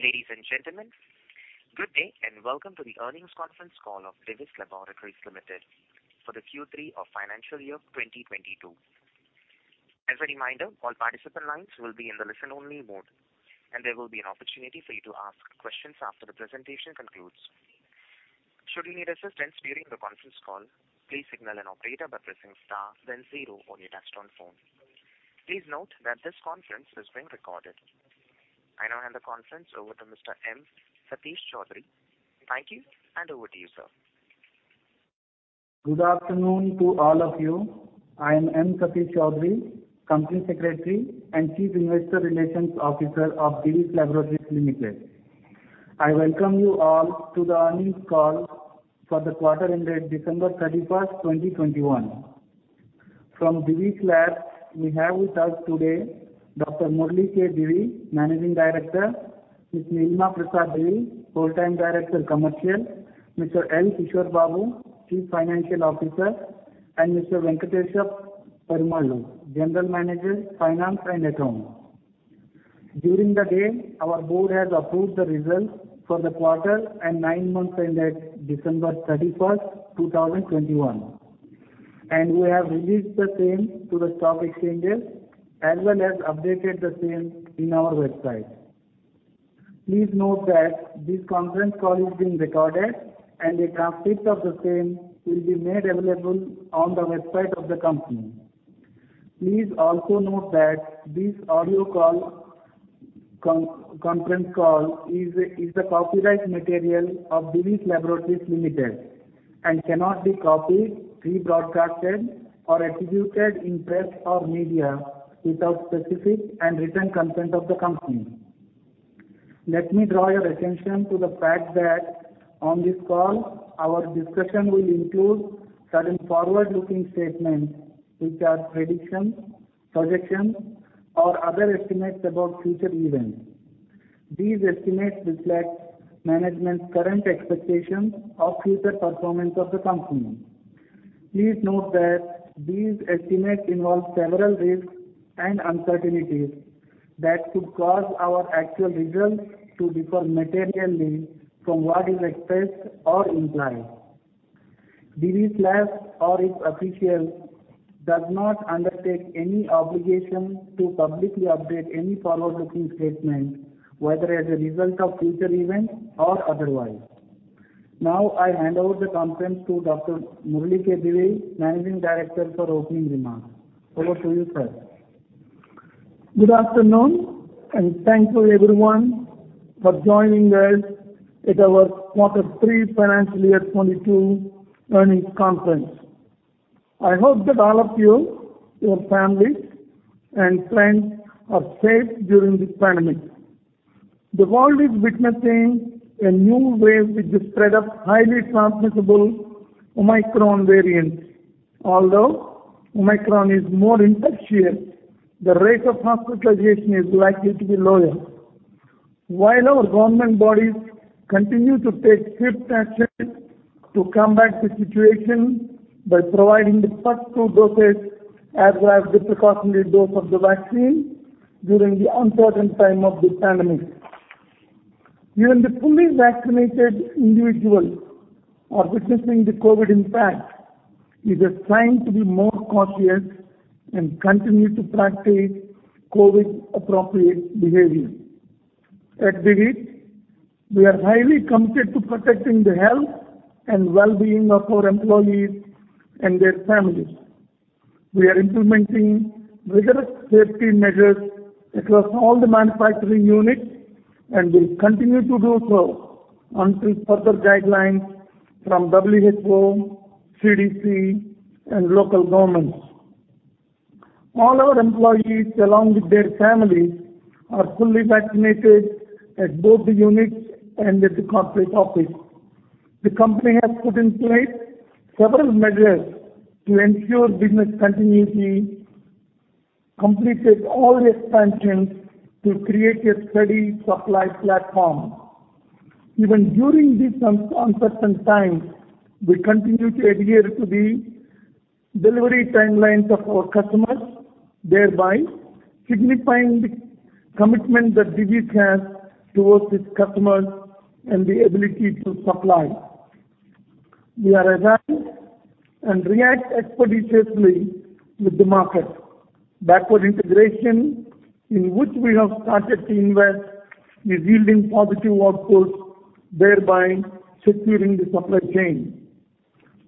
Ladies and gentlemen, good day and welcome to the earnings conference call of Divi's Laboratories Limited for the Q3 of financial year 2022. As a reminder, all participant lines will be in the listen-only mode, and there will be an opportunity for you to ask questions after the presentation concludes. Should you need assistance during the conference call, please signal an operator by pressing star then zero on your touchtone phone. Please note that this conference is being recorded. I now hand the conference over to Mr. M. Satish Choudhury. Thank you, and over to you, sir. Good afternoon to all of you. I am M. Satish Choudhury, Company Secretary and Chief Investor Relations Officer of Divi's Laboratories Limited. I welcome you all to the earnings call for the quarter ended December 31st, 2021. From Divi's Labs, we have with us today Dr. Murali K. Divi, Managing Director, Ms. Nilima Prasad Divi, Full-Time Director, Commercial, Mr. L. Kishore Babu, Chief Financial Officer, and Mr. Venkatesa Perumallu, General Manager, Finance and Accounts. During the day, our board has approved the results for the quarter and nine months ended December 31, 2021, and we have released the same to the stock exchanges as well as updated the same in our website. Please note that this conference call is being recorded and a transcript of the same will be made available on the website of the company. Please also note that this audio conference call is a copyright material of Divi's Laboratories Limited and cannot be copied, rebroadcast, or attributed in press or media without specific and written consent of the company. Let me draw your attention to the fact that on this call, our discussion will include certain forward-looking statements which are predictions, projections, or other estimates about future events. These estimates reflect management's current expectations of future performance of the company. Please note that these estimates involve several risks and uncertainties that could cause our actual results to differ materially from what is expressed or implied. Divi's Laboratories or its officials does not undertake any obligation to publicly update any forward-looking statement, whether as a result of future events or otherwise. Now I hand over the conference to Dr. Murali K. Divi, Managing Director, for opening remarks. Over to you, sir. Good afternoon. Thanks to everyone for joining us at our Q3 FY 2022 earnings conference. I hope that all of you, your family, and friends are safe during this pandemic. The world is witnessing a new wave with the spread of highly transmissible Omicron variant. Although Omicron is more infectious, the rate of hospitalization is likely to be lower. While our government bodies continue to take swift actions to combat the situation by providing the first two doses as well as the precautionary dose of the vaccine during the uncertain time of this pandemic. Even the fully vaccinated individuals are witnessing the COVID impact. It is time to be more cautious and continue to practice COVID-appropriate behavior. At Divi's, we are highly committed to protecting the health and well-being of our employees and their families. We are implementing rigorous safety measures across all the manufacturing units, and we'll continue to do so until further guidelines from WHO, CDC, and local governments. All our employees, along with their families, are fully vaccinated at both the units and at the corporate office. The company has put in place several measures to ensure business continuity, completed all expansions to create a steady supply platform. Even during these uncertain times, we continue to adhere to the delivery timelines of our customers, thereby signifying the commitment that Divi's has towards its customers and the ability to supply. We are agile and react expeditiously with the market. Backward integration, in which we have started to invest, is yielding positive outputs, thereby securing the supply chain.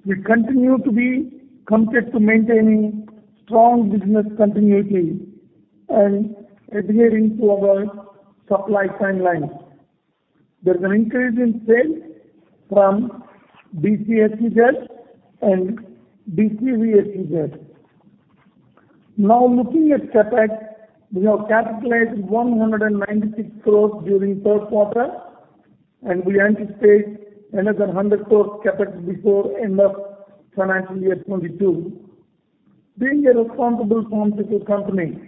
We continue to be committed to maintaining strong business continuity and adhering to our supply timelines. There's an increase in sales from DC SEZ and DCV-SEZ. Now looking at CapEx, we have capitalized 196 crores during third quarter, and we anticipate another 100 crores CapEx before end of financial year 2022. Being a responsible pharmaceutical company,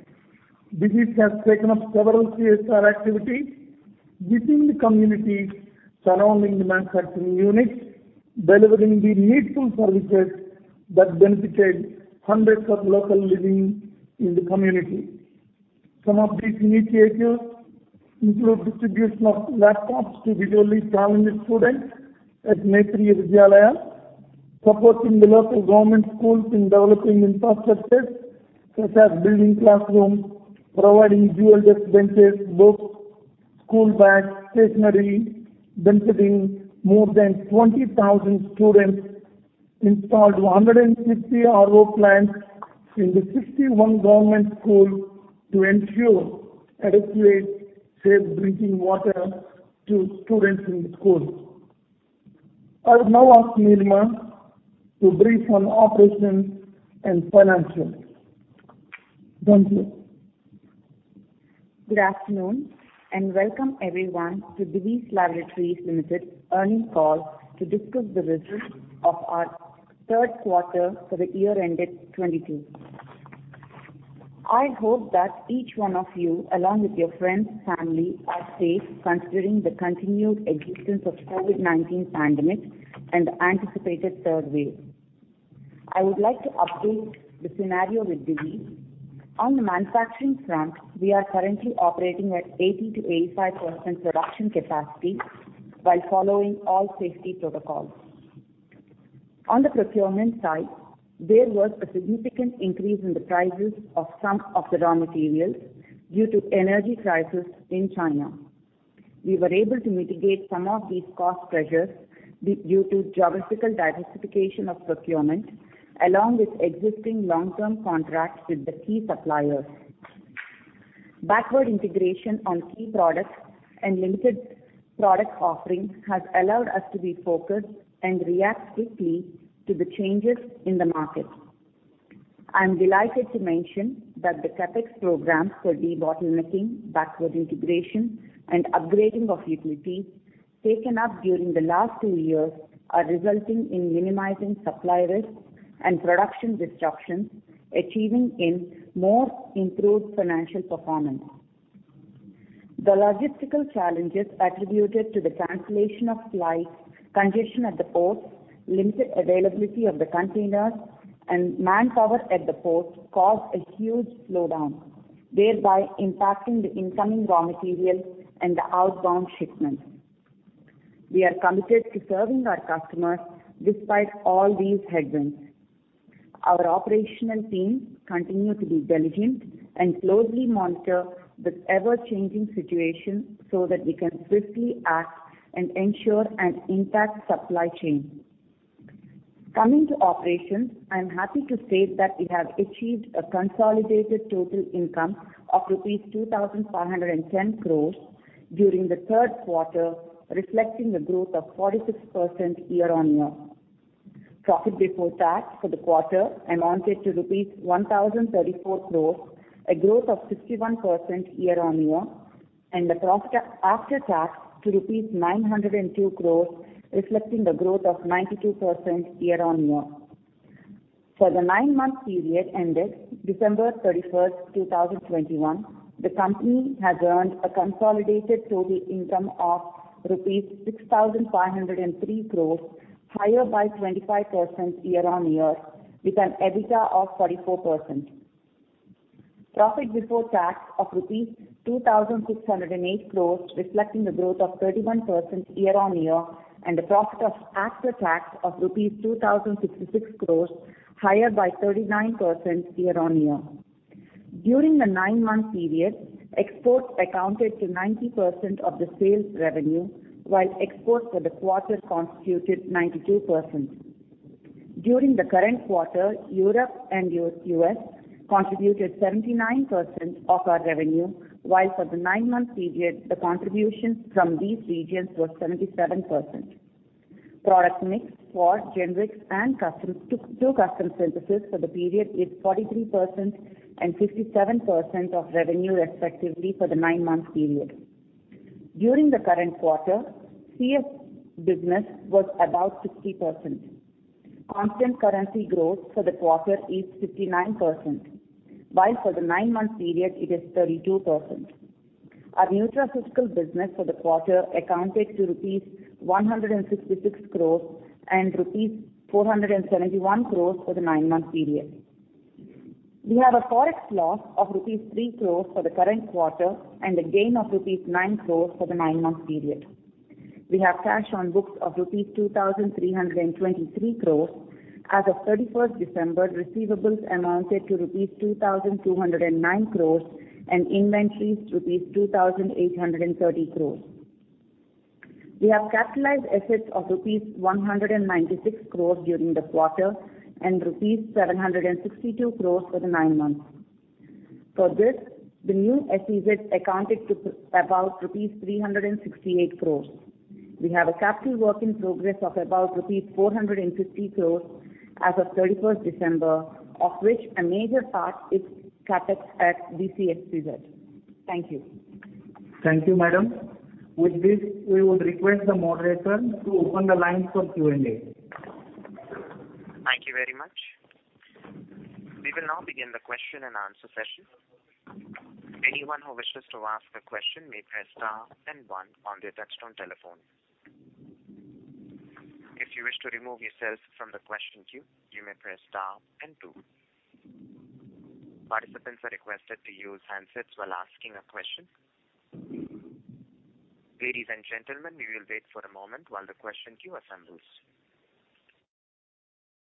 Divi's has taken up several CSR activities within the communities surrounding the manufacturing units, delivering the needful services that benefited hundreds of locals living in the community. Some of these initiatives include distribution of laptops to visually challenged students at Netriya Vidyalaya, supporting the local government schools in developing infrastructure, such as building classrooms, providing dual desk benches, books, school bags, stationery, benefiting more than 20,000 students, installed 150 RO plants in the 51 government schools to ensure adequate safe drinking water to students in the schools. I'll now ask Nilima to brief on operations and financials. Thank you. Good afternoon, and welcome everyone to Divi's Laboratories Limited earnings call to discuss the results of our third quarter for the year ended 2022. I hope that each one of you, along with your friends, family, are safe considering the continued existence of COVID-19 pandemic and the anticipated third wave. I would like to update the scenario with Divi's. On the manufacturing front, we are currently operating at 80%-85% production capacity while following all safety protocols. On the procurement side, there was a significant increase in the prices of some of the raw materials due to energy crisis in China. We were able to mitigate some of these cost pressures due to geographical diversification of procurement, along with existing long-term contracts with the key suppliers. Backward integration on key products and limited product offerings has allowed us to be focused and react quickly to the changes in the market. I'm delighted to mention that the CapEx programs for debottlenecking, backward integration, and upgrading of utilities taken up during the last two years are resulting in minimizing supply risks and production disruptions, achieving a more improved financial performance. The logistical challenges attributed to the cancellation of flights, congestion at the ports, limited availability of the containers, and manpower at the ports caused a huge slowdown, thereby impacting the incoming raw materials and the outbound shipments. We are committed to serving our customers despite all these headwinds. Our operational teams continue to be diligent and closely monitor this ever-changing situation so that we can swiftly act and ensure an intact supply chain. Coming to operations, I'm happy to state that we have achieved a consolidated total income of rupees 2,510 crores during the third quarter, reflecting a growth of 46% year-on-year. Profit before tax for the quarter amounted to rupees 1,034 crores, a growth of 61% year-on-year, and the profit after tax to rupees 902 crores, reflecting the growth of 92% year-on-year. For the nine-month period ended December 31st, 2021, the company has earned a consolidated total income of rupees 6,503 crores, higher by 25% year-on-year, with an EBITDA of 44%. Profit before tax of INR 2,608 crores, reflecting the growth of 31% year-on-year, and a profit after tax of rupees 2,066 crores, higher by 39% year-on-year. During the nine-month period, exports accounted to 90% of the sales revenue, while exports for the quarter constituted 92%. During the current quarter, Europe and U.S. contributed 79% of our revenue, while for the nine-month period, the contribution from these regions was 77%. Product mix for Generics and Custom Synthesis for the period is 43% and 57% of revenue respectively for the nine-month period. During the current quarter, CS business was about 60%. Constant currency growth for the quarter is 59%, while for the nine-month period it is 32%. Our Nutraceutical business for the quarter accounted to rupees 166 crores and rupees 471 crores for the nine-month period. We have a Forex loss of rupees 3 crores for the current quarter and a gain of rupees 9 crores for the nine-month period. We have cash on books of rupees 2,323 crores. As of 31st December, receivables amounted to rupees 2,209 crores and inventories, rupees 2,830 crores. We have capitalized assets of rupees 196 crores during the quarter and rupees 762 crores for the nine months. For this, the new SEZ accounted to about rupees 368 crores. We have a capital work in progress of about rupees 450 crores as of 31st December, of which a major part is CapEx at DCV-SEZ. Thank you. Thank you, madam. With this, we would request the moderator to open the lines for Q&A. Thank you very much. Question and answer session. Anyone who wishes to ask a question may press star and one on their touch-tone telephone. If you wish to remove yourself from the question queue, you may press star and two. Participants are requested to use handsets while asking a question. Ladies and gentlemen, we will wait for a moment while the question queue assembles.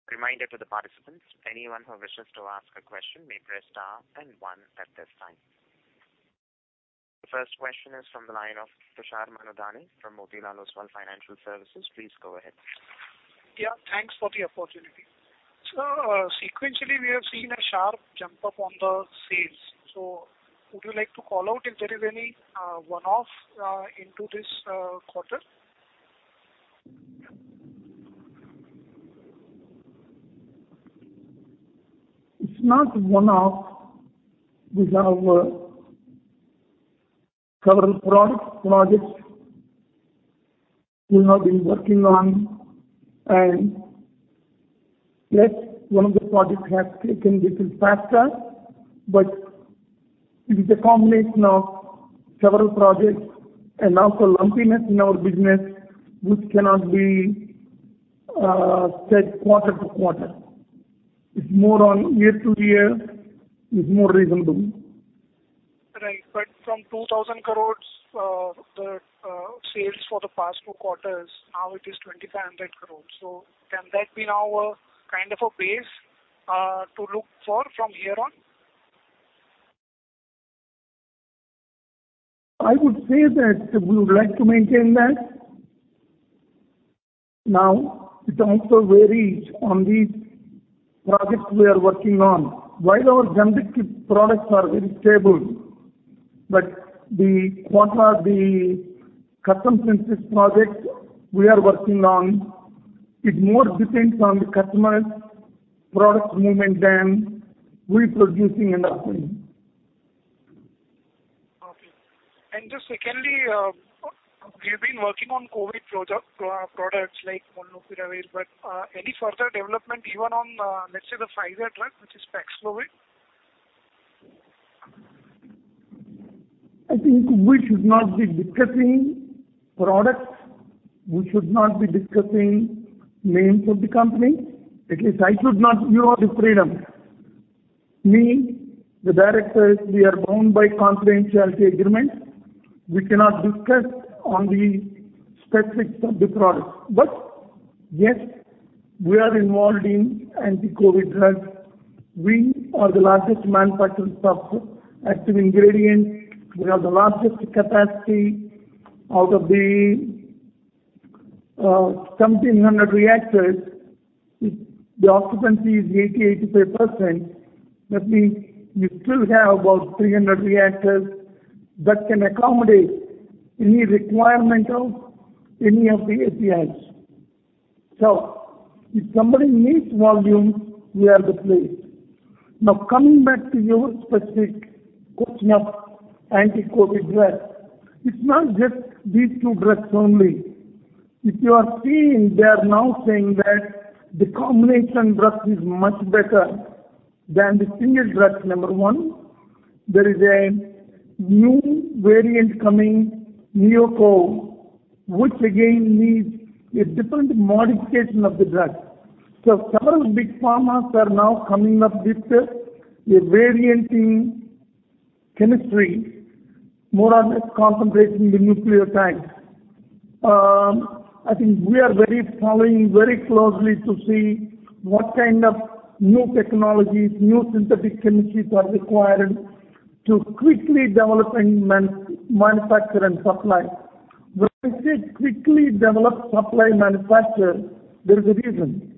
Reminder to the participants, anyone who wishes to ask a question may press star and one at this time. The first question is from the line of Tushar Manudhane from Motilal Oswal Financial Services. Please go ahead. Yeah, thanks for the opportunity. Sequentially, we have seen a sharp jump up on the sales. Would you like to call out if there is any one-off into this quarter? It's not one-off. These are several products, projects we've now been working on. Yes, one of the projects has taken little faster, but it is a combination of several projects and also lumpiness in our business which cannot be said quarter-to-quarter. It's more on year-to-year is more reasonable. From 2,000 crores, the sales for the past two quarters, now it is 2,500 crores. Can that be now a kind of a base to look for from here on? I would say that we would like to maintain that. Now, it also varies on the projects we are working on. While our Generic products are very stable, but the quarter, the Custom Synthesis projects we are working on, it more depends on the customer's product movement than we producing and supplying. Okay. Just secondly, you've been working on COVID products like Molnupiravir, but any further development even on, let's say the Pfizer drug, which is PAXLOVID? I think we should not be discussing products. We should not be discussing names of the company. At least I should not give you the freedom. Me, the directors, we are bound by confidentiality agreement. We cannot discuss on the specifics of the product. Yes, we are involved in anti-COVID drugs. We are the largest manufacturers of active ingredient. We have the largest capacity. Out of the 1,700 reactors, the occupancy is 83%. That means you still have about 300 reactors that can accommodate any requirement of any of the APIs. If somebody needs volume, we are the place. Now, coming back to your specific question of anti-COVID drug, it's not just these two drugs only. If you are seeing, they are now saying that the combination drug is much better than the single drug, number one. There is a new variant coming, NeoCov, which again needs a different modification of the drug. Several big pharmas are now coming up with a variant in chemistry, more or less concentrating the nucleotide. I think we are following very closely to see what kind of new technologies, new synthetic chemistries are required to quickly develop and manufacture and supply. When I say quickly develop, supply, manufacture, there is a reason.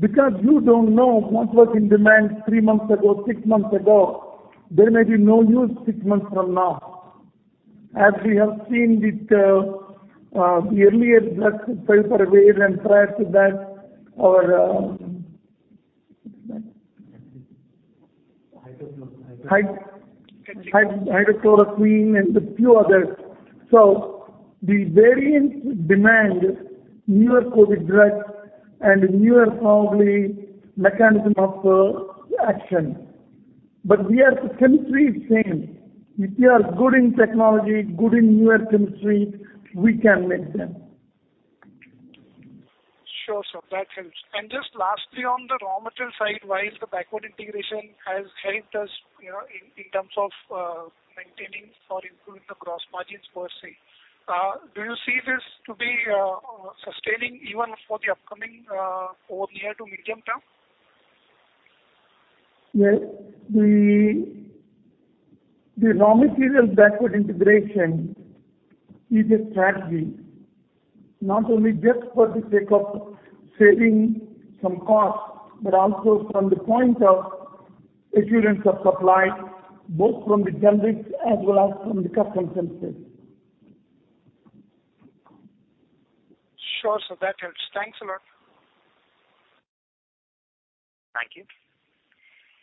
Because you don't know what was in demand three months ago, six months ago. There may be no use six months from now. As we have seen with the earlier drugs, molnupiravir, and prior to that, uh, Hydroxychloroquine and a few others. The variants demand newer COVID drugs and newer probably mechanism of action. We are, the chemistry is same. If you are good in technology, good in newer chemistry, we can make them. Sure, sir. That helps. Just lastly, on the raw material side, while the backward integration has helped us, you know, in terms of maintaining or improving the gross margins per se, do you see this to be sustaining even for the upcoming over near to medium term? Yes. The raw material backward integration is a strategy, not only just for the sake of saving some costs, but also from the point of assurance of supply, both from the Generics as well as from the Custom Synthesis. Sure, sir. That helps. Thanks a lot. Thank you.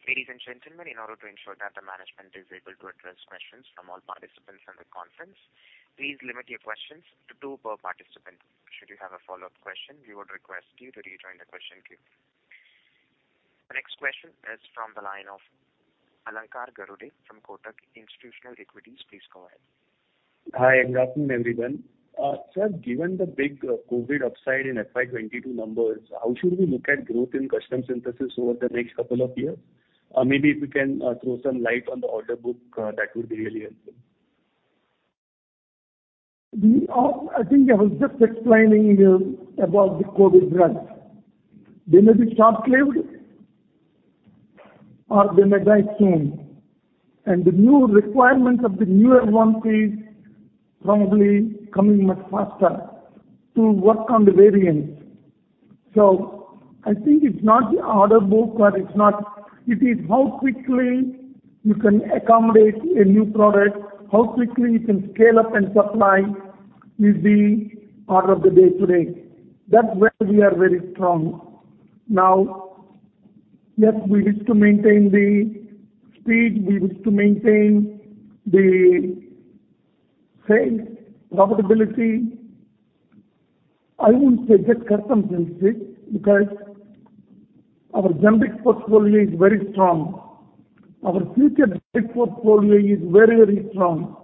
Ladies and gentlemen, in order to ensure that the management is able to address questions from all participants on the conference, please limit your questions to two per participant. Should you have a follow-up question, we would request you to rejoin the question queue. Next question is from the line of Alankar Garude from Kotak Institutional Equities. Please go ahead. Hi, good afternoon, everyone. Sir, given the big COVID upside in FY 2022 numbers, how should we look at growth in Custom Synthesis over the next couple of years? Maybe if you can throw some light on the order book, that would be really helpful. I think I was just explaining here about the COVID drugs. They may be stockpiled or they may die soon. The new requirements of the newer ones is probably coming much faster to work on the variants. I think it's not the order book, but it's not. It is how quickly you can accommodate a new product, how quickly you can scale up and supply will be order of the day today. That's where we are very strong. Now, yes, we wish to maintain the speed, we wish to maintain the sales profitability. I wouldn't say just Custom Synthesis because our Generics portfolio is very strong. Our future portfolio is very, very strong.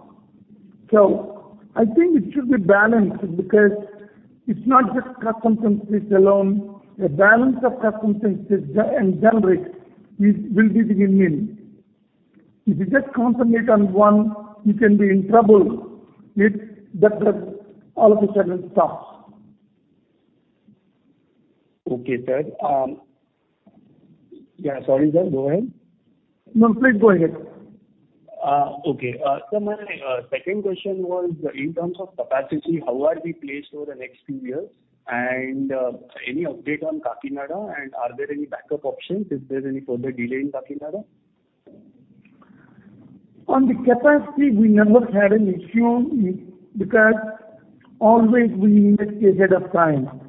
I think it should be balanced because it's not just Custom Synthesis alone. A balance of Custom Synthesis and Generics will be the win-win. If you just concentrate on one, you can be in trouble if that drug all of a sudden stops. Okay, sir. Yeah, sorry, sir. Go ahead. No, please go ahead. Okay. Sir, my second question was in terms of capacity, how are we placed over the next few years? Any update on Kakinada? Are there any backup options? Is there any further delay in Kakinada? On the capacity, we never had an issue because always we invest ahead of time.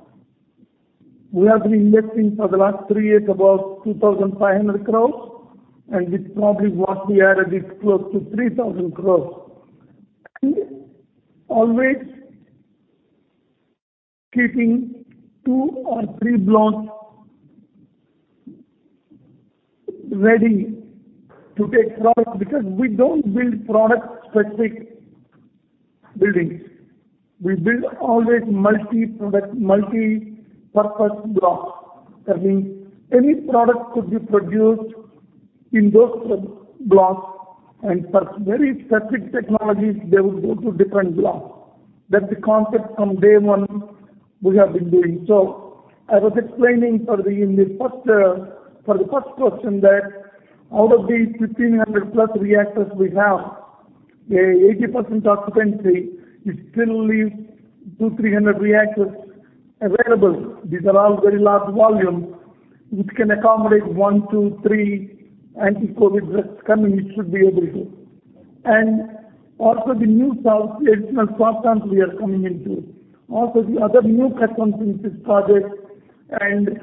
We have been investing for the last three years, about 2,500 crores, and this probably what we added is close to 3,000 crores. Always keeping two or three blocks ready to take products, because we don't build product-specific buildings. We build always multi-product, multi-purpose blocks. That means any product could be produced in those blocks and for very specific technologies, they will go to different blocks. That's the concept from day one we have been doing. I was explaining for the first question that out of these 1,500+ reactors we have, 80% occupancy, it still leaves 200-300 reactors available. These are all very large volume, which can accommodate one, two, three anti-COVID drugs coming. It should be able to. Also the new additional substance we are coming into. Also the other new Custom Synthesis projects and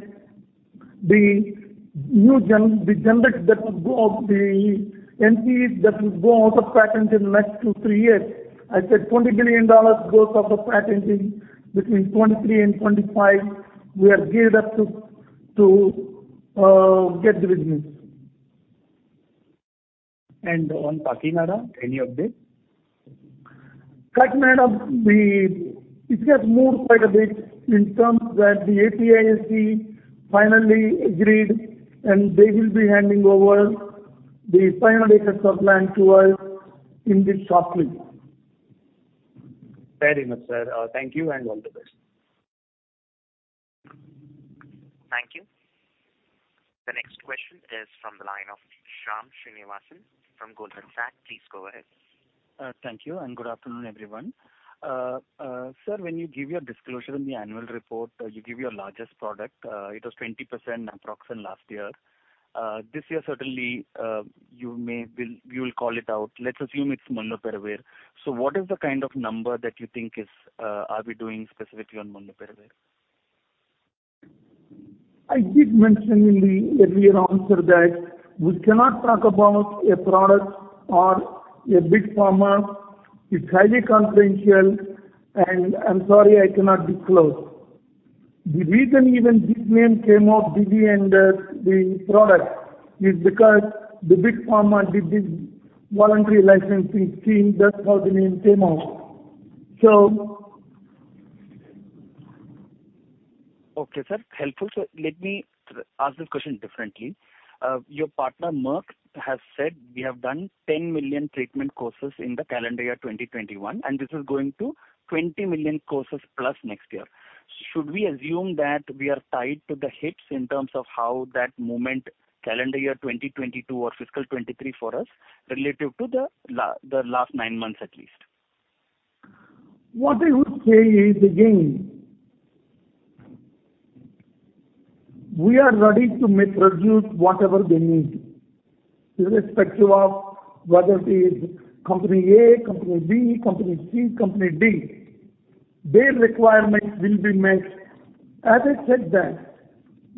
the new Generic that would go off the NCEs that will go off patent in the next two, three years. I said $20 billion goes off patent between 2023 and 2025. We are geared up to get the business. On Kakinada, any update? Kakinada. It has moved quite a bit in terms that the APIIC finally agreed, and they will be handing over the final acres of land to us shortly. Very much, sir. Thank you and all the best. Thank you. The next question is from the line of Shyam Srinivasan from Goldman Sachs. Please go ahead. Thank you, and good afternoon, everyone. Sir, when you give your disclosure in the annual report, you give your largest product, it was 20% Naproxen last year. This year, certainly, you will call it out. Let's assume it's Molnupiravir. What is the kind of number that you think is, are we doing specifically on Molnupiravir? I did mention in the earlier answer that we cannot talk about a product or a big pharma. It's highly confidential, and I'm sorry I cannot disclose. The reason even this name came out of Divi's and the product is because the big pharma did this voluntary licensing scheme. That's how the name came out. Okay, sir. Helpful. Let me ask this question differently. Your partner, Merck, has said we have done 10 million treatment courses in the calendar year 2021, and this is going to 20+ million courses next year. Should we assume that we are tied to the hips in terms of how that movement calendar year 2022 or fiscal 2023 for us relative to the last nine months at least? What I would say is, again, we are ready to manufacture whatever they need, irrespective of whether it is company A, company B, company C, company D. Their requirements will be met. As I said that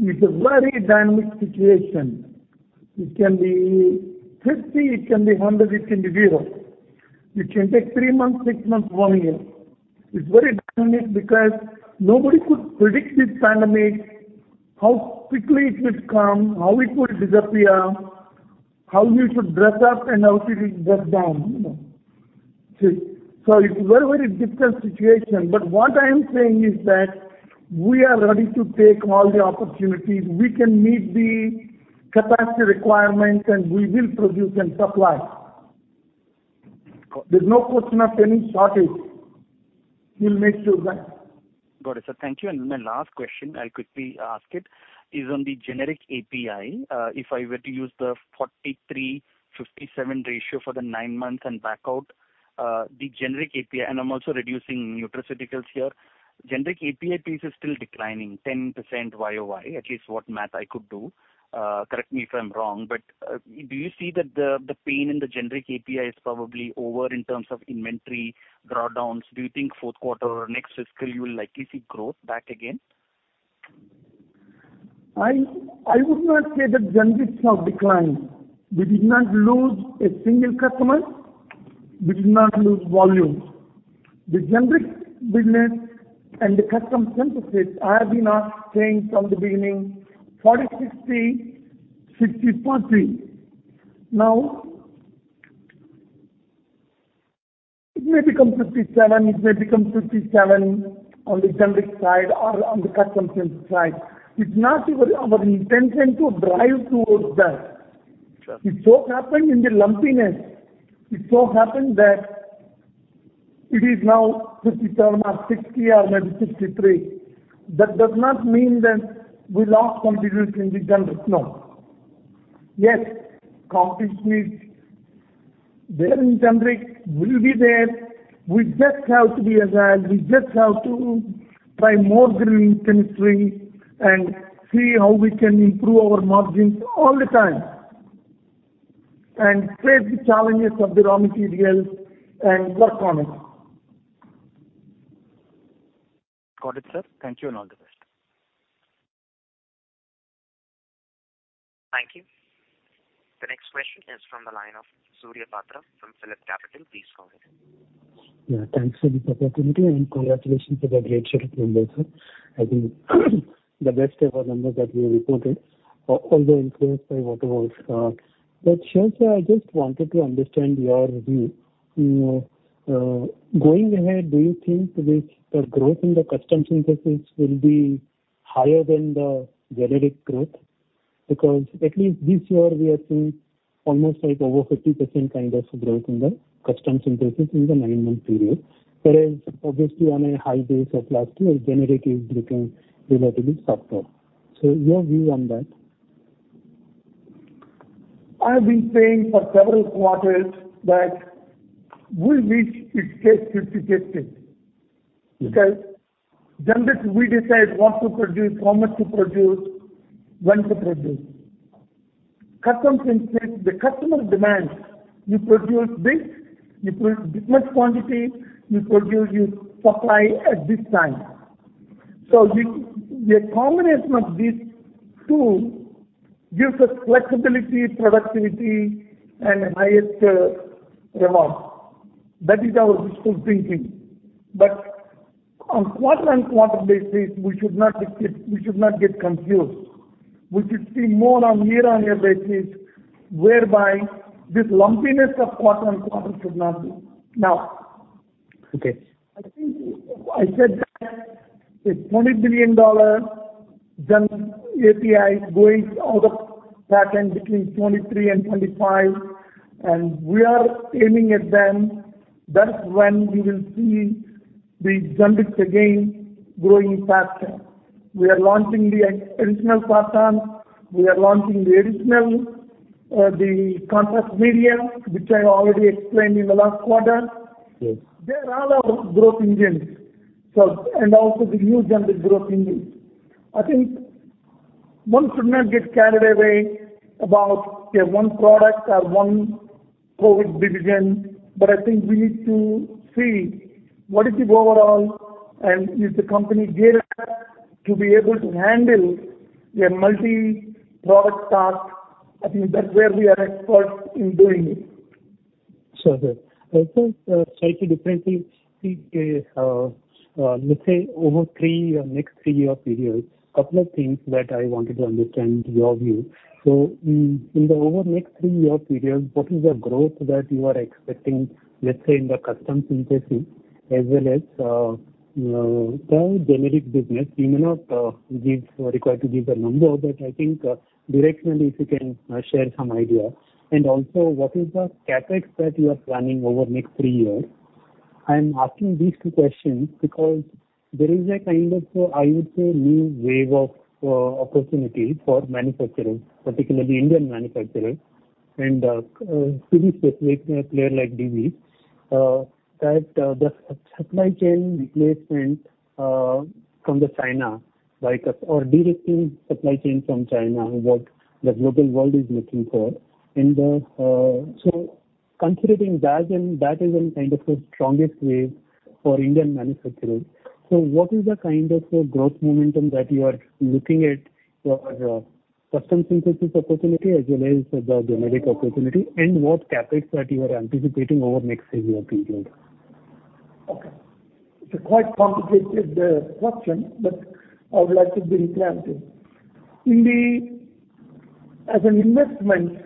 it's a very dynamic situation. It can be 50, it can be 100, it can be 0. It can take three months, six months, one year. It's very dynamic because nobody could predict this pandemic, how quickly it would come, how it would disappear, how we should dress up and how we will dress down. It's a very, very difficult situation. What I am saying is that we are ready to take all the opportunities. We can meet the capacity requirements, and we will produce and supply. There's no question of any shortage. We'll make sure of that. Got it, sir. Thank you. My last question, I'll quickly ask it, is on the Generic API. If I were to use the 43/57 ratio for the nine months and back out the Generic API, and I'm also reducing Nutraceuticals here. Generic API piece is still declining 10% year-over-year, at least what math I could do. Correct me if I'm wrong, but do you see that the pain in the Generic API is probably over in terms of inventory drawdowns? Do you think fourth quarter or next fiscal you will likely see growth back again? I would not say that Generics have declined. We did not lose a single customer. We did not lose volume. The Generic business and the Custom Synthesis, I have been saying from the beginning, 40/60, 60/40. Now it may become 57%. It may become 57% on the Generic side or on the Custom Syn side. It's not our intention to drive towards that. Sure. It so happened in the lumpiness. It so happened that it is now 57% or 60% or maybe 63%. That does not mean that we lost contribution in the Generic. No. Yes, competition is there in Generic, will be there. We just have to be agile. We just have to try more green chemistry and see how we can improve our margins all the time and face the challenges of the raw materials and work on it. Got it, sir. Thank you and all the best. Thank you. The next question is from the line of Surya Patra from PhillipCapital. Please go ahead. Yeah, thanks for the opportunity, and congratulations on the great set of numbers, sir. I think the best ever numbers that we have reported, although influenced by what was. Dr. [Murali], I just wanted to understand your view. Going ahead, do you think the growth in the Custom Synthesis will be higher than the Generic growth? Because at least this year we are seeing almost like over 50% kind of growth in the Custom Synthesis in the nine-month period. Whereas obviously on a high base of last year, Generic is looking relatively softer. Your view on that. I've been saying for several quarters that we'll reach a 50/50. Okay. Because Generics we decide what to produce, how much to produce, when to produce. Custom Synthesis, the customer demands you produce this, you produce this much quantity, you supply at this time. So the combination of these two gives us flexibility, productivity and highest reward. That is our school of thinking. But on quarter-over-quarter basis, we should not get confused. We should see more on year-over-year basis, whereby this lumpiness of quarter-over-quarter should not be. Now, Okay. I think I said that with $20 billion Generic API going out of patent between 2023 and 2025, and we are aiming at them. That's when you will see the Generics again growing faster. We are launching the original patents. We are launching the original, the contrast media, which I already explained in the last quarter. Yes. They are all our growth engines. Also the new Generic growth engines. I think one should not get carried away about their one product or one COVID division, but I think we need to see what is the overall, and is the company geared up to be able to handle a multi-product task. I think that's where we are experts in doing it. Sure, sir. Also, slightly differently. Let's say over the next three-year period, a couple of things that I wanted to understand your view. In the next three-year period, what is the growth that you are expecting, let's say, in the Custom Synthesis as well as the Generic business? You may not be required to give the number, but I think directionally if you can share some idea. Also, what is the CapEx that you are planning over the next three years? I am asking these two questions because there is a kind of, I would say, new wave of opportunity for manufacturers, particularly Indian manufacturers and, to be specific, a player like Divi's, that the supply chain replacement from China, like, or de-risking supply chain from China, what the global world is looking for. Considering that and that is in kind of the strongest wave for Indian manufacturers, what is the kind of growth momentum that you are looking at for Custom Synthesis opportunity as well as the Generic opportunity, and what CapEx that you are anticipating over next several periods? Okay. It's a quite complicated question, but I would like to be transparent. As an investment,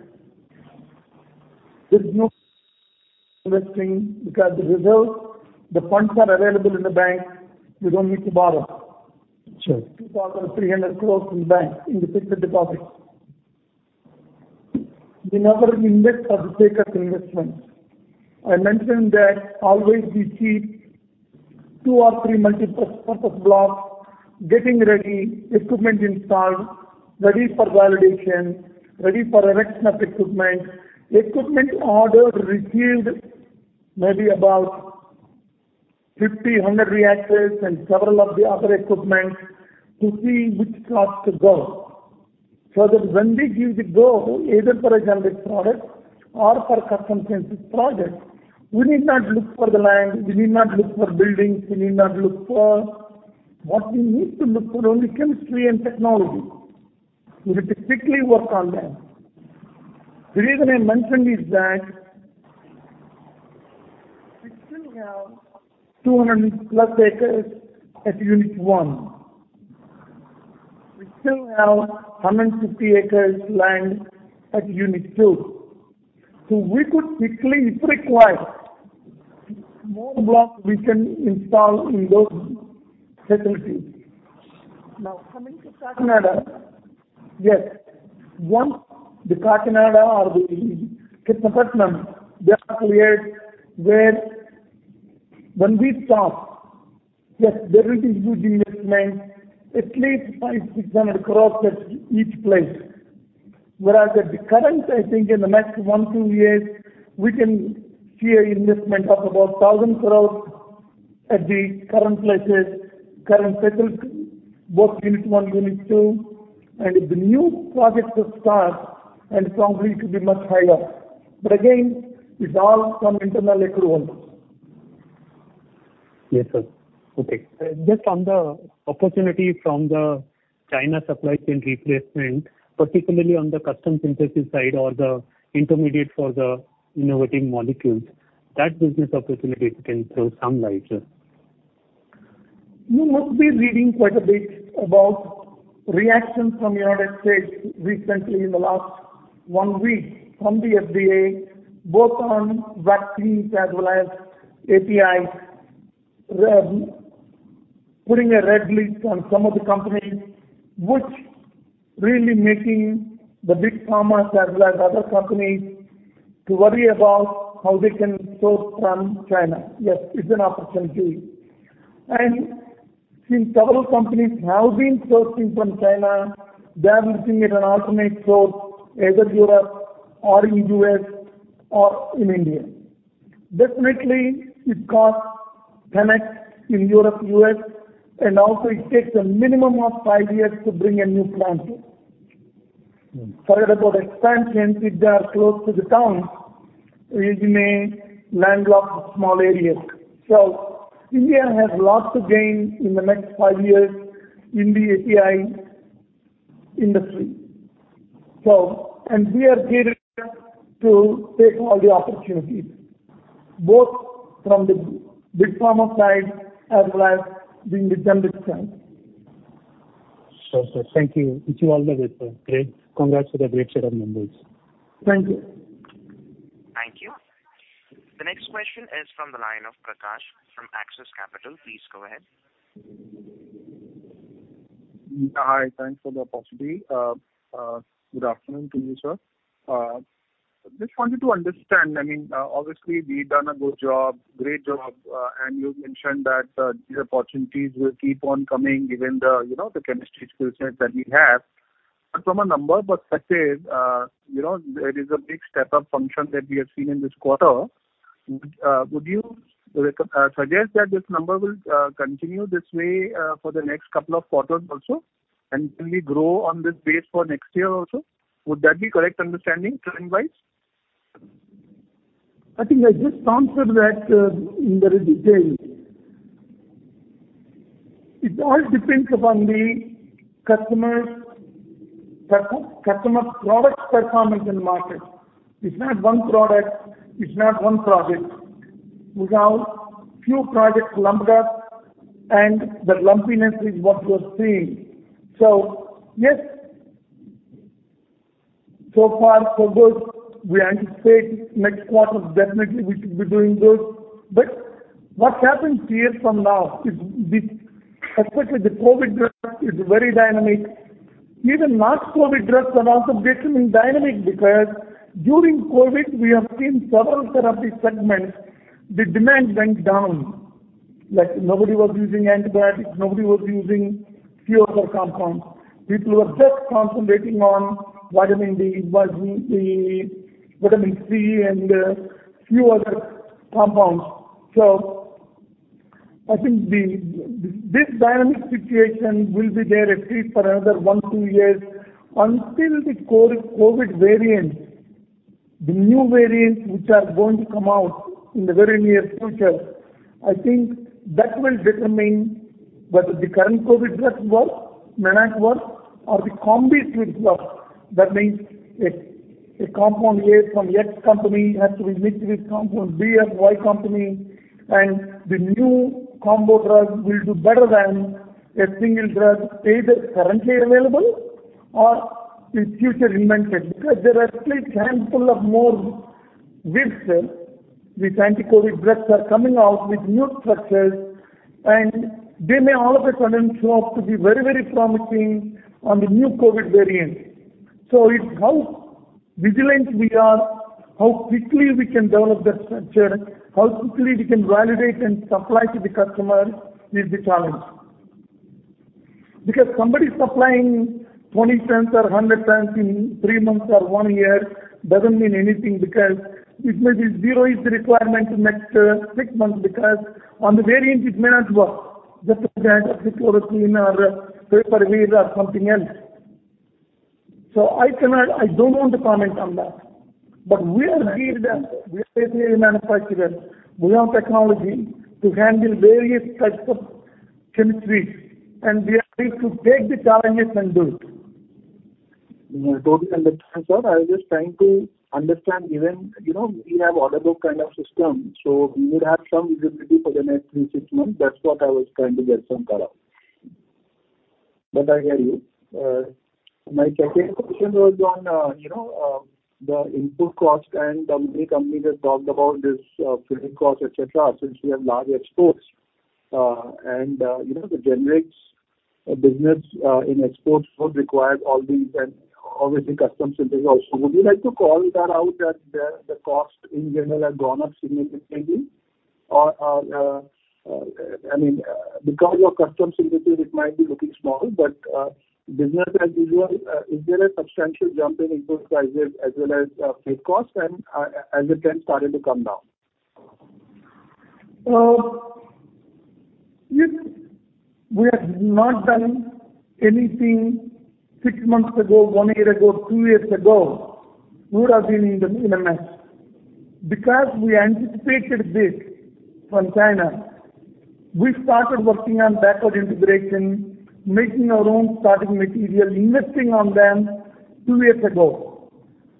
there's no investing because the results, the funds are available in the bank. We don't need to borrow. Sure. 2,300 crore in the bank in the fixed deposit. We never invest or take up investments. I mentioned that always we keep two or three multipurposed blocks getting ready, equipment installed, ready for validation, ready for erection of equipment. Equipment ordered, received maybe about 50, 100 reactors and several of the other equipment to see which path to go. That when we give the go either for a Generic product or for Custom Synthesis project, we need not look for the land, we need not look for buildings, we need not look for. What we need to look for only chemistry and technology. We have to strictly work on that. The reason I mentioned is that we still have 200+ acres at Unit-1. We still have 150 acres land at Unit-2. We could quickly, if required, more block we can install in those facilities. Now, coming to Kakinada. Yes. Once the Kakinada or the Krishnapatnam, they are cleared where when we start, yes, there will be good investment, at least 500 crore-600 crore at each place. Whereas at the current, I think in the next one, two years, we can see an investment of about 1,000 crore at the current places, current settled, both Unit-1, Unit-2. If the new projects will start, and it's probably to be much higher. Again, it's all from internal accruals. Yes, sir. Okay. Just on the opportunity from the China supply chain replacement, particularly on the Custom Synthesis side or the intermediate for the innovator molecules, that business opportunity, if you can throw some light, sir. You must be reading quite a bit about reactions from United States recently in the last one week from the FDA, both on vaccines as well as APIs, putting a red list on some of the companies which really making the big pharma as well as other companies to worry about how they can source from China. Yes, it's an opportunity. Since several companies have been sourcing from China, they are looking at an alternate source, either Europe or in U.S. or in India. Definitely it costs 10x in Europe, U.S., and also it takes a minimum of five years to bring a new plant there. Forget about expansion if they are close to the towns, remaining land-locked small areas. India has lots to gain in the next five years in the API industry. We are geared to take all the opportunities both from the big pharma side as well as the indigenous side. Sure, sir. Thank you. Wish you all the best, sir. Great. Congrats for the great set of numbers. Thank you. Thank you. The next question is from the line of Prakash from Axis Capital. Please go ahead. Hi. Thanks for the opportunity. Good afternoon to you, sir. Just wanted to understand, I mean, obviously we've done a good job, great job. You've mentioned that these opportunities will keep on coming given the, you know, the chemistry skill set that we have. From a number perspective, you know, there is a big step-up function that we have seen in this quarter. Would you suggest that this number will continue this way for the next couple of quarters also? And will we grow on this base for next year also? Would that be correct understanding trend-wise? I think I just answered that in very detail. It all depends upon the customer product performance in the market. It's not one product. It's not one project. We have few projects lumped up, and the lumpiness is what you're seeing. Yes, so far so good. We anticipate next quarter definitely we should be doing good. What happens year from now is the especially the COVID drugs is very dynamic. Even non-COVID drugs are also getting dynamic because during COVID we have seen several therapy segments, the demand went down. Like, nobody was using antibiotics, nobody was using few other compounds. People were just concentrating on vitamin D, vitamin C and few other compounds. I think this dynamic situation will be there at least for another one, two years until the COVID variants. The new variants which are going to come out in the very near future, I think that will determine whether the current COVID drugs work, may not work, or the combo treatments work. That means if a compound A from X company has to be mixed with compound B of Y company, and the new combo drug will do better than a single drug either currently available or in future invented. Because there are still handful of more works where these anti-COVID drugs are coming out with new structures, and they may all of a sudden show up to be very, very promising on the new COVID variant. It's how vigilant we are, how quickly we can develop that structure, how quickly we can validate and supply to the customer is the challenge. Because somebody supplying 20x or 100x in three months or one year doesn't mean anything because it may be zero is the requirement in next six months because on the variant it may not work, just like that of Hydroxychloroquine or Favipiravir or something else. I cannot. I don't want to comment on that. We are geared up. We are fully manufactured. We have technology to handle various types of chemistry, and we are ready to take the challenges and do it. Totally understand, sir. I was just trying to understand even, you know, we have order book kind of system, so we would have some visibility for the next three, six months. That's what I was trying to get some color. I hear you. My second question was on, you know, the input cost and many companies have talked about this, freight cost, et cetera, since we have large exports. And, you know, the Generics business in exports would require all these and obviously Custom Synthesis also. Would you like to call that out, that the cost in general has gone up significantly? I mean, because of Custom Synthesis it might be looking small, but business as usual, is there a substantial jump in input prices as well as freight costs and as the trend started to come down? If we had not done anything six months ago, one year ago, two years ago, we would have been in a mess. Because we anticipated this from China, we started working on backward integration, making our own starting material, investing on them two years ago.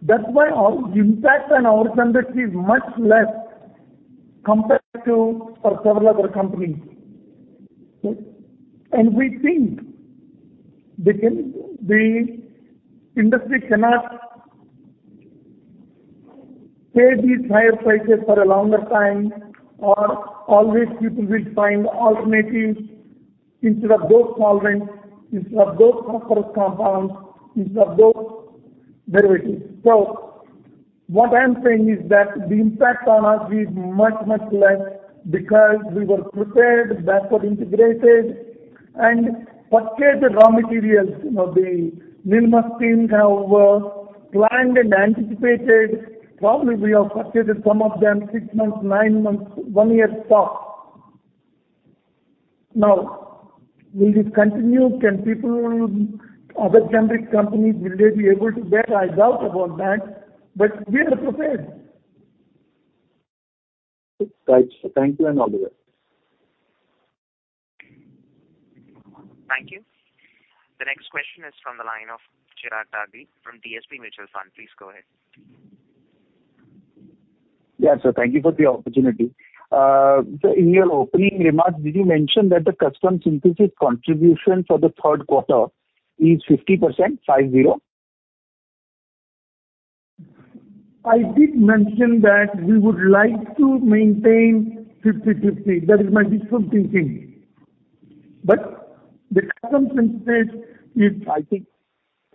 That's why our impact on our industry is much less compared to several other companies. We think the industry cannot pay these higher prices for a longer time, or always people will find alternatives instead of those solvents, instead of those phosphorus compounds, instead of those derivatives. What I am saying is that the impact on us is much, much less because we were prepared, backward integrated, and purchased raw materials. You know, the Nilima team have planned and anticipated. Probably we have purchased some of them six months, nine months, one year stock. Now, will this continue? Can people, other generic companies, will they be able to bet? I doubt about that. We are prepared. Right. Thank you and all the best. Thank you. The next question is from the line of Chirag Dagli from DSP Mutual Fund. Please go ahead. Yeah, sir. Thank you for the opportunity. In your opening remarks, did you mention that the Custom Synthesis contribution for the third quarter is 50%, five zero? I did mention that we would like to maintain 50/50. That is my deep thinking. The Custom Synthesis is I think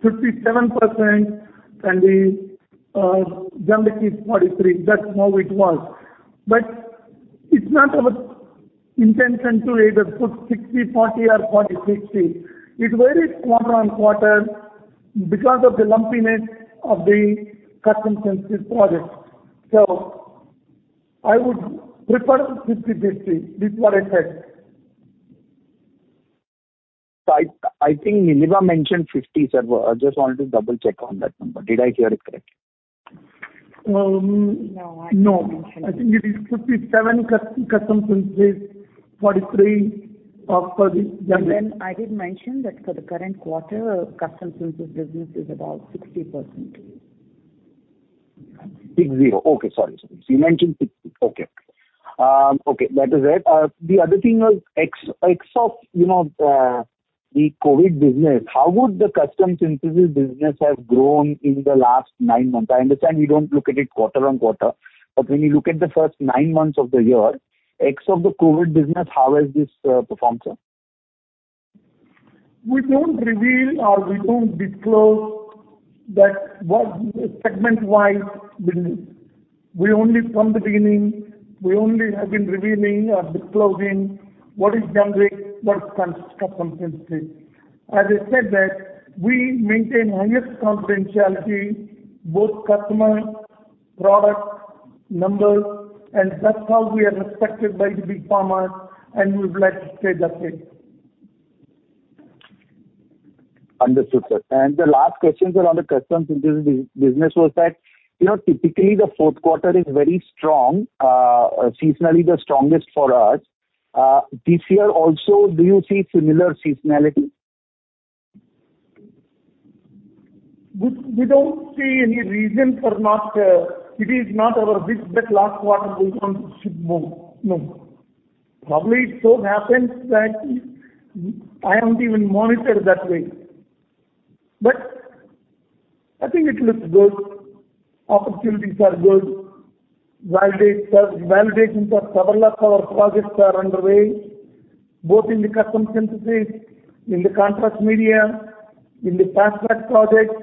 57% and the Generic is 43%. That's how it was. It's not our intention to either put 60/40 or 40/60. It varies quarter-on-quarter because of the lumpiness of the Custom Synthesis projects. I would prefer 50/50. This is what I said. I think Nilima mentioned 50%, sir. I just wanted to double-check on that number. Did I hear it correctly? Um- No, I didn't mention it. No. I think it is 57% Custom Synthesis, 43% for the Generic. I did mention that for the current quarter, Custom Synthesis business is about 60%. Six zero. Okay. Sorry. You mentioned 60%. Okay. That is it. The other thing was ex of, you know, the COVID business, how would the Custom Synthesis business have grown in the last nine months? I understand you don't look at it quarter-over-quarter, but when you look at the first nine months of the year, ex of the COVID business, how has this performed, sir? We don't reveal or disclose what segment-wise business. From the beginning, we only have been revealing or disclosing what is Generic, what's Custom Synthesis. As I said, we maintain highest confidentiality, both customer, product, numbers, and that's how we are respected by Big Pharma, and we would like to stay that way. Understood, sir. The last questions are on the Custom Synthesis business was that, you know, typically the fourth quarter is very strong, seasonally the strongest for us. This year also, do you see similar seasonality? We don't see any reason for not. It is not our business that last quarter goes on should move. No. Probably it so happens. I don't even monitor that way. I think it looks good. Opportunities are good. Validations of several of our projects are underway, both in the Custom Synthesis, in the contrast media, in the pass-through projects,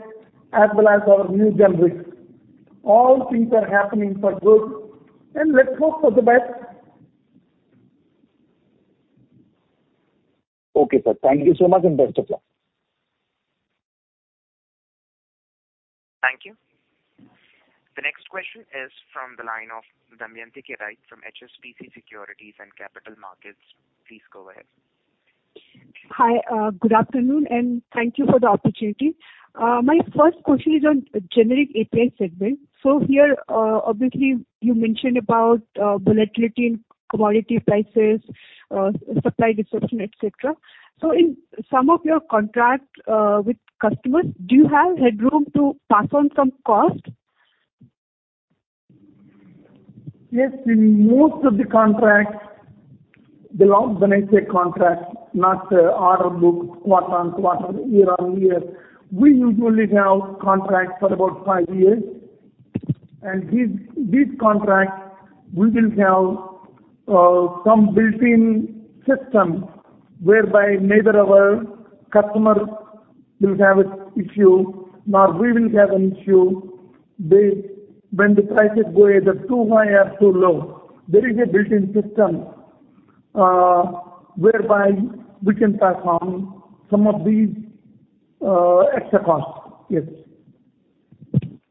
as well as our new Generics. All things are happening for good, and let's hope for the best. Okay, sir. Thank you so much, and best of luck. Thank you. The next question is from the line of Damayanti Kerai from HSBC Securities and Capital Markets. Please go ahead. Hi, good afternoon, and thank you for the opportunity. My first question is on Generic API segment. Here, obviously you mentioned about volatility in commodity prices, supply disruption, et cetera. In some of your contract with customers, do you have headroom to pass on some cost? Yes. In most of the contracts, when I say contracts, not order book quarter-on-quarter, year-on-year. We usually have contracts for about five years. These contracts we will have some built-in system whereby neither our customer will have an issue nor we will have an issue. When the prices go either too high or too low, there is a built-in system whereby we can pass on some of these extra costs. Yes.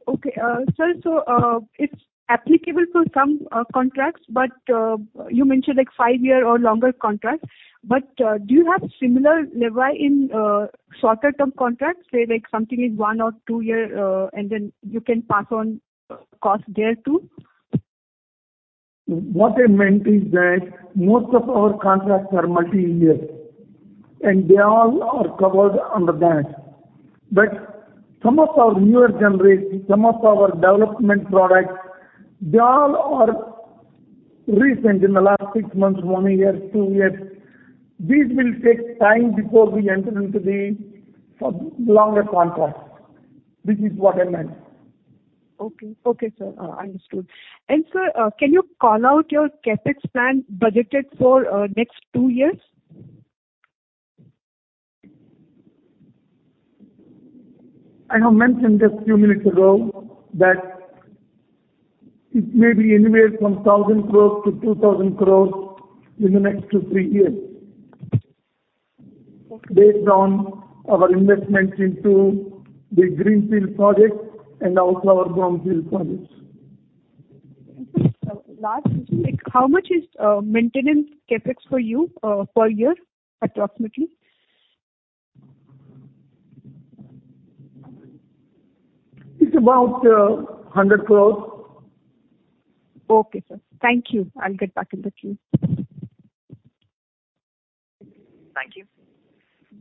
Okay. Sir, it's applicable for some contracts, but you mentioned like five-year or longer contracts, but do you have similar leverage in shorter-term contracts, say like something is one or two year, and then you can pass on cost there too? What I meant is that most of our contracts are multi-year, and they all are covered under that. Some of our newer Generics, some of our development products, they all are recent, in the last six months, one year, two years. These will take time before we enter into the, for longer contracts. This is what I meant. Okay, sir. Understood. Sir, can you call out your CapEx plan budgeted for next two years? I have mentioned just a few minutes ago that it may be anywhere from 1,000 crore-2,000 crore in the next two, three years. Okay Based on our investments into the greenfield projects and also our brownfield projects. Sir, last question. Like how much is maintenance CapEx for you per year approximately? It's about 100 crores. Okay, sir. Thank you. I'll get back in the queue. Thank you.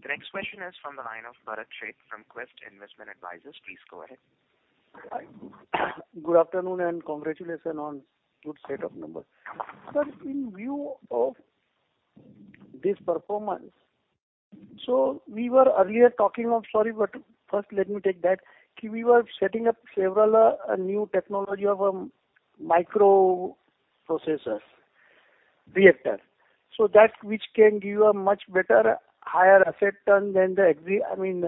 The next question is from the line of Bharat Sheth from Quest Investment Advisors. Please go ahead. Hi. Good afternoon and congratulations on good set of numbers. Sir, in view of this performance, we were earlier talking of. Sorry, first let me take that. We were setting up several new technology of microreactor. That which can give a much better higher asset turn than the existing. I mean,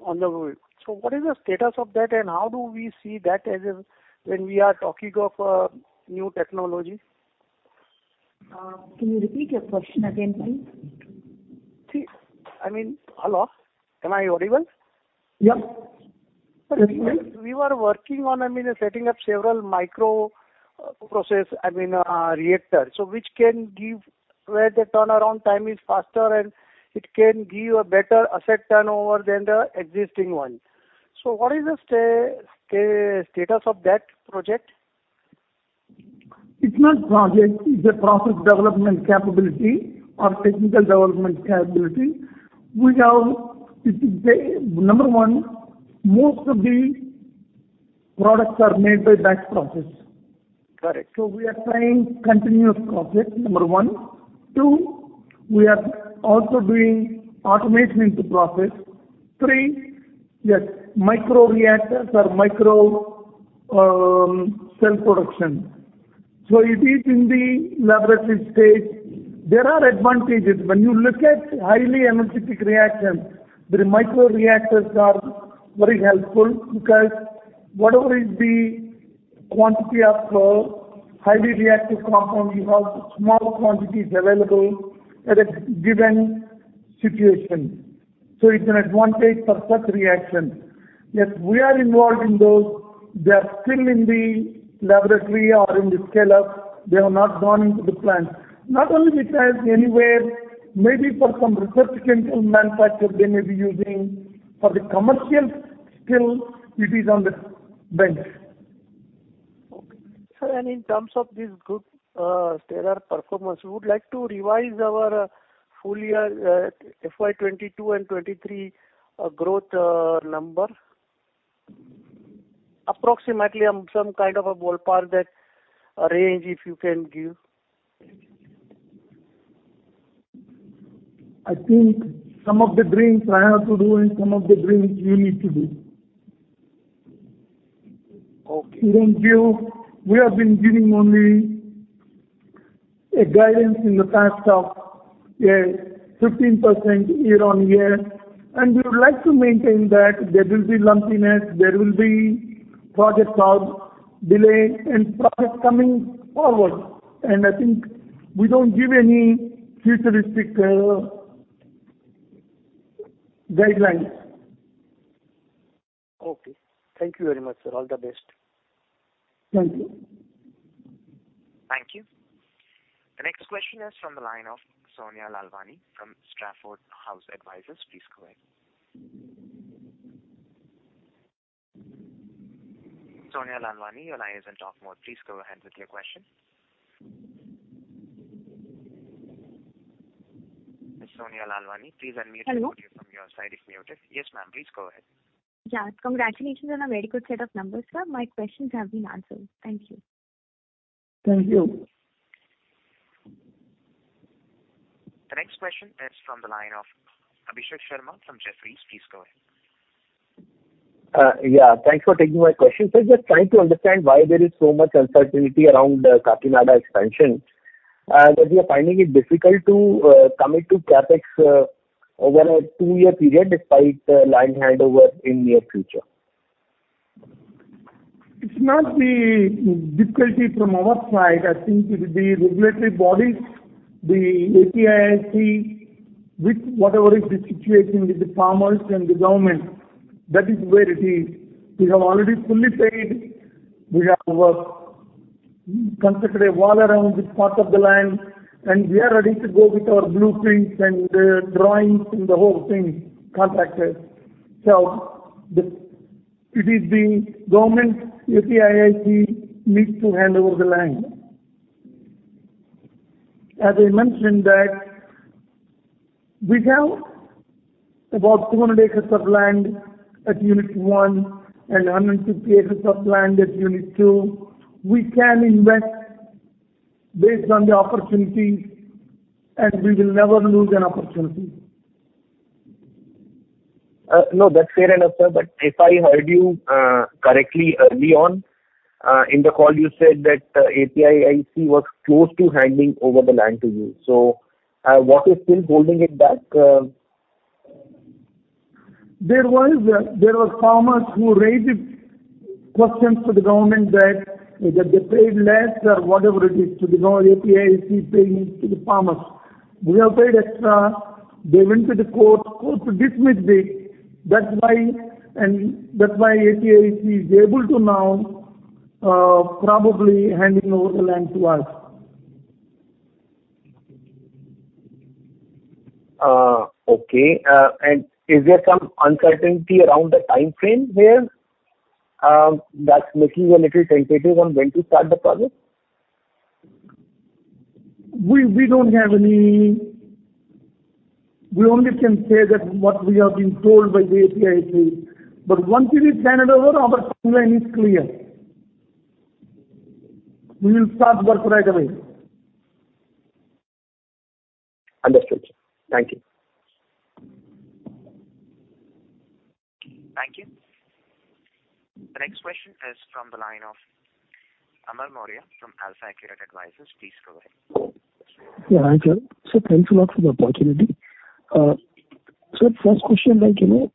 on the whole. What is the status of that, and how do we see that as a when we are talking of new technology? Can you repeat your question again, please? Hello? Am I audible? Yeah. Sir, we were working on, I mean, setting up several micro process, I mean, reactor, so, which can give, where the turnaround time is faster, and it can give a better asset turnover than the existing one. What is the status of that project? It's not a project, it's a process development capability or technical development capability. It is number one, most of the products are made by batch process. Correct. We are trying continuous process, number one. Two, we are also doing automation into process. Three, yes, micro-reactors or micro cell production. It is in the laboratory stage. There are advantages. When you look at highly energetic reactions, the micro-reactors are very helpful because whatever is the quantity of highly reactive compound you have small quantities available at a given situation. It's an advantage for such reactions. Yes, we are involved in those. They are still in the laboratory or in the scale-up. They have not gone into the plant. Not only the plant, anywhere, maybe for some research chemical manufacture they may be using. For the commercial, still it is on the bench. Okay. Sir, in terms of this good, stellar performance, would you like to revise our full year, FY 2022 and 2023, growth number? Approximately, some kind of a ballpark that, range if you can give. I think some of the dreams I have to do and some of the dreams you need to do. Okay. We have been giving only a guidance in the past of a 15% year-on-year, and we would like to maintain that. There will be lumpiness, there will be project start delay and projects coming forward, and I think we don't give any futuristic guidelines. Okay. Thank you very much, sir. All the best. Thank you. Thank you. The next question is from the line of Sonia Lalwani from Stratford House Advisors. Please go ahead. Sonia Lalwani, your line is in talk mode. Please go ahead with your question. Miss Sonia Lalwani, please unmute. Hello? Check your audio from your side if muted. Yes, ma'am, please go ahead. Yeah. Congratulations on a very good set of numbers, sir. My questions have been answered. Thank you. Thank you. The next question is from the line of Abhishek Sharma from Jefferies. Please go ahead. Yeah, thanks for taking my question. Just trying to understand why there is so much uncertainty around the Kakinada expansion, that you're finding it difficult to commit to CapEx over a two-year period despite the land handover in near future. It's not the difficulty from our side. I think it will be regulatory bodies, the APIIC, with whatever is the situation with the farmers and the government. That is where it is. We have already fully paid. We have constructed a wall around this part of the land, and we are ready to go with our blueprints and the drawings and the whole thing contracted. It is the government, APIIC needs to hand over the land. As I mentioned that we have about 200 acres of land at Unit-1 and 150 acres of land at Unit-2. We can invest based on the opportunity, and we will never lose an opportunity. No, that's fair enough, sir. If I heard you correctly early on in the call, you said that APIIC was close to handing over the land to you. What is still holding it back? There was farmers who raised questions to the government that they paid less or whatever it is APIIC paying to the farmers. We have paid extra. They went to the court. Court dismissed it. That's why APIIC is able to now probably handing over the land to us. Is there some uncertainty around the timeframe here that's making you a little tentative on when to start the project? We only can say that what we have been told by the APIIC. Once it is handed over, our timeline is clear. We will start work right away. Understood, sir. Thank you. Thank you. The next question is from the line of Amar Mourya from AlfAccurate Advisors. Please go ahead. Yeah, hi, sir. Thanks a lot for the opportunity. First question that, you know,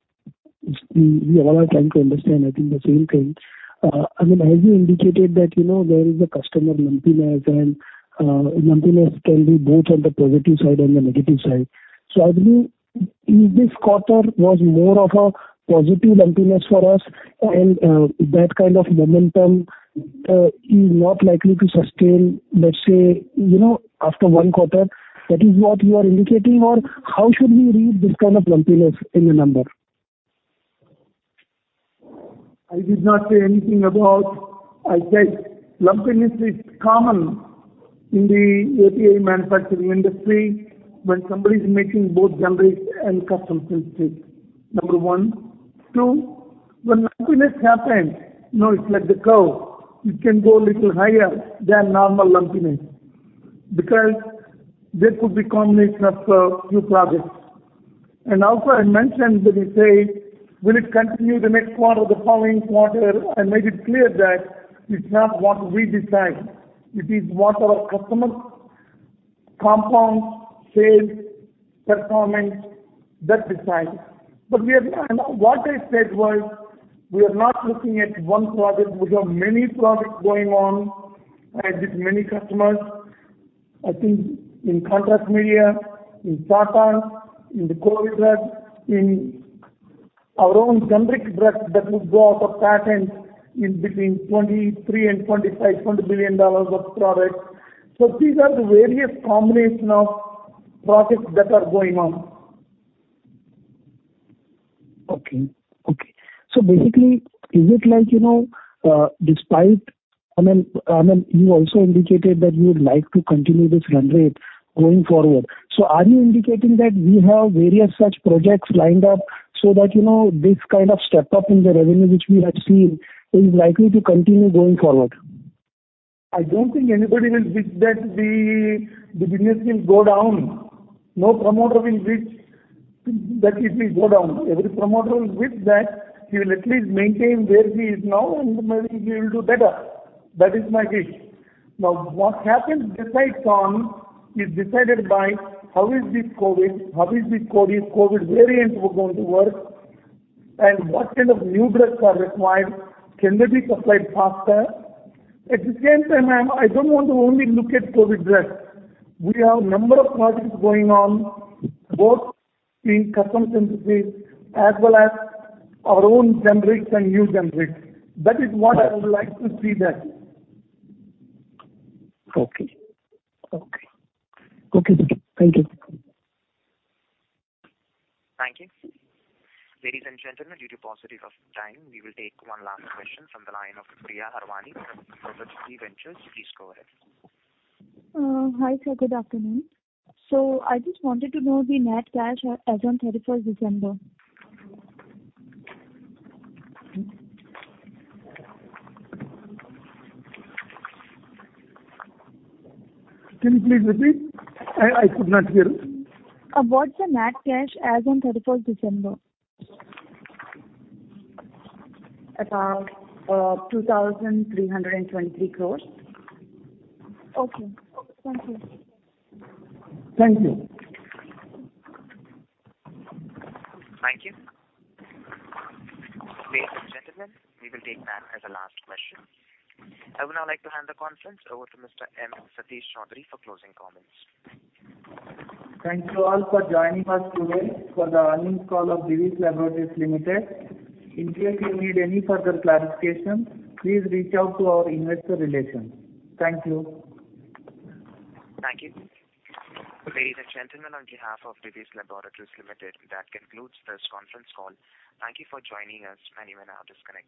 we all are trying to understand, I think the same thing. I mean, as you indicated that, you know, there is a customer lumpiness and lumpiness can be both on the positive side and the negative side. I believe this quarter was more of a positive lumpiness for us and that kind of momentum is not likely to sustain, let's say, you know, after one quarter. That is what you are indicating or how should we read this kind of lumpiness in the number? I said lumpiness is common in the API manufacturing industry when somebody's making both Generics and Custom Synthesis. Number one. Two, when lumpiness happens, you know, it's like the curve. It can go a little higher than normal lumpiness because there could be combination of few projects. Also I mentioned when you say will it continue the next quarter or the following quarter, I made it clear that it's not what we decide. It is what our customers compound, sales, performance, that decides. But we are and what I said was we are not looking at one project. We have many projects going on with many customers. I think in contrast media, in sartans, in the COVID drug, in our own Generic drugs that will go out of patent in between 2023 and 2025, $20 billion worth of products. These are the various combination of projects that are going on. Okay. Basically, is it like, you know, I mean, you also indicated that you would like to continue this run rate going forward. Are you indicating that you have various such projects lined up so that, you know, this kind of step-up in the revenue which we have seen is likely to continue going forward? I don't think anybody will wish that the business will go down. No promoter will wish that it will go down. Every promoter will wish that he will at least maintain where he is now, and maybe he will do better. That is my wish. Now, what happens besides on is decided by how is this COVID variant were going to work, and what kind of new drugs are required, can they be supplied faster? At the same time, I don't want to only look at COVID drugs. We have a number of projects going on, both in Custom Synthesis as well as our own Generics and new Generics. That is what I would like to see that. Okay. Thank you. Thank you. Ladies and gentlemen, due to paucity of time, we will take one last question from the line of Priya Harwani from Perpetuity Ventures. Please go ahead. Hi, sir. Good afternoon. I just wanted to know the net cash as on 31st December. Can you please repeat? I could not hear. What's the net cash as on 31st December? About 2,323 crore. Okay. Thank you. Thank you. Thank you. Ladies and gentlemen, we will take that as the last question. I would now like to hand the conference over to Mr. M. Satish Choudhury for closing comments. Thank you all for joining us today for the earnings call of Divi's Laboratories Limited. In case you need any further clarification, please reach out to our investor relations. Thank you. Thank you. Ladies and gentlemen, on behalf of Divi's Laboratories Limited, that concludes this conference call. Thank you for joining us, and you may now disconnect your-